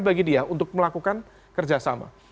bagi dia untuk melakukan kerjasama